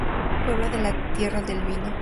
Pueblo de la de Tierra del Vino.